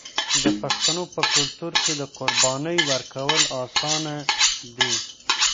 د پښتنو په کلتور کې د قربانۍ ورکول اسانه دي.